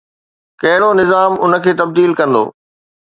ڪهڙو نظام ان کي تبديل ڪندو؟